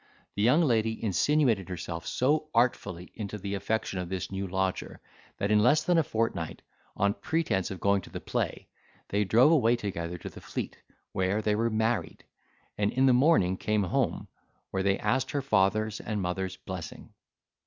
The young lady insinuated herself so artfully into the affection of this new lodger, that in less than a fortnight, on pretence of going to the play, they drove away together to the Fleet, where they were married; and in the morning came home, where they asked her father's and mother's blessing.